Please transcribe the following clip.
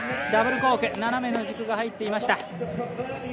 ダブルコーク斜めの軸が入っていました。